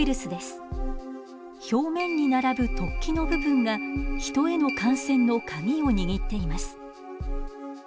表面に並ぶ突起の部分がヒトへの感染のカギを握っています。